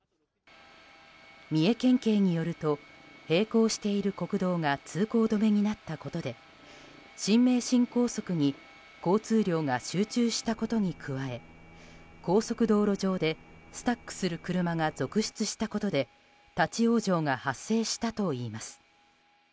三重県警によると並行している国道が通行止めになったことで新名神高速に交通量が集中したことに加え高速道路上でスタックする車が続出したことで立ち往生が発生したといいます。